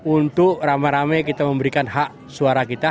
untuk rama rama kita memberikan hak suara kita